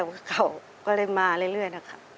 เก่าก็เลยมาเรื่อยนะครับ